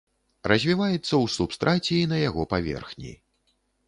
Развіваецца ў субстраце і на яго паверхні.